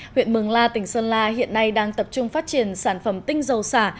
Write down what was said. huyện mường la tỉnh sơn la hiện nay đang tập trung phát triển sản phẩm tinh dầu xả